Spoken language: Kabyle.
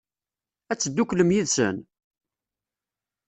Ad tedduklem yid-sen?